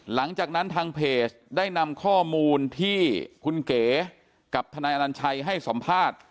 หลังจากนั้นทางเพจได้นำข้อมูลที่คุณเก๋กับทนายอนัญชัยให้สัมภาษณ์